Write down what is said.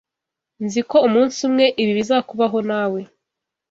Nzi ko umunsi umwe ibi bizakubaho, nawe.